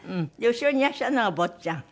後ろにいらっしゃるのが坊ちゃん？